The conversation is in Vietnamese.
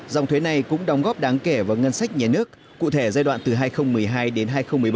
dòng thuế này cũng đóng góp đáng kể vào ngân sách nhà nước cụ thể giai đoạn từ hai nghìn một mươi hai đến hai nghìn một mươi bảy